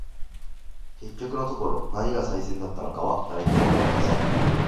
•結局のところ、何が最善の選択だったのかは、誰にも分かりません。